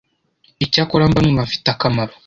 Icyakora mba numva mfite akamaro